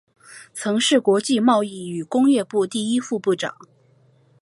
曾是国际贸易与工业部第一副部长。